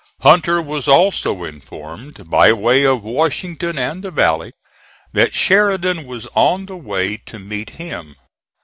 Hunter was also informed by way of Washington and the Valley that Sheridan was on the way to meet him.